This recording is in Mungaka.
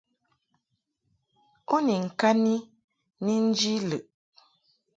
U ni ŋkani ni nji lɨʼ.